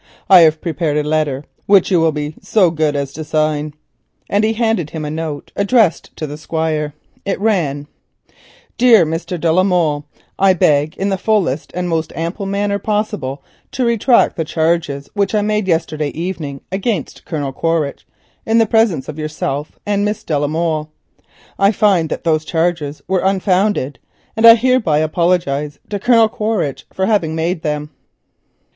I have prepared a letter which you will be so good as to sign," and he handed him a note addressed to the Squire. It ran: "Dear Mr. de la Molle,— "I beg in the fullest and most ample manner possible to retract the charges which I made yesterday evening against Colonel Quaritch, in the presence of yourself and Miss de la Molle. I find that those charges were unfounded, and I hereby apologise to Colonel Quaritch for having made them."